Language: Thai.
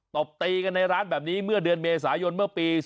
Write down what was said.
ตบตีกันในร้านแบบนี้เมื่อเดือนเมษายนเมื่อปี๒๕